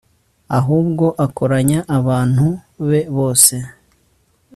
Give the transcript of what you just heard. ahubwo akoranya abantu be bose